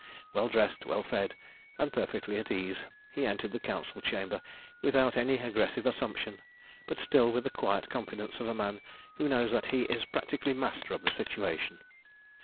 Well dressed, well fed, and perfectly at ease, he entered the Council Chamber without any aggressive assumption, but still with the quiet confidence of a man who knows that he is practically master of the situation.